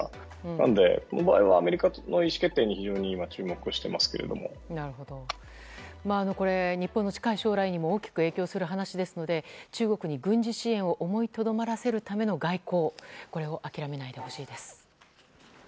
なのでこの場合はアメリカの意思決定にこれは日本の近い将来にも大きく影響する話ですので中国に軍事支援を思いとどまらせるための外交これを諦めないでほしいです。